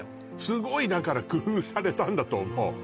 すごいだから工夫されたんだと思う